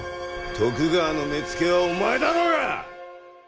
徳川の目付けはお前だろうが！